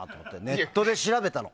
ネットで調べたの。